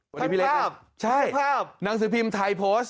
สวัสดีพี่เล็กส์ท่านภาพใช่ท่านภาพหนังสือพิมพ์ไทยโพสต์